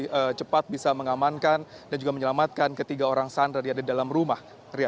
jadi lebih cepat bisa mengamankan dan juga menyelamatkan ketiga orang sandra yang ada di dalam rumah